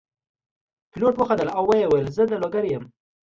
پیلوټ وخندل او وویل چې زه د لوګر یم.